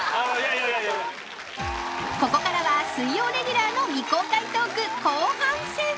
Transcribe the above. ここからは水曜レギュラーの未公開トーク後半戦。